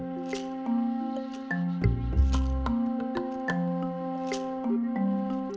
cara keramas dengan lumpur ini